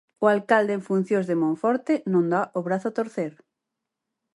O alcalde en funcións de Monforte non dá o brazo a torcer.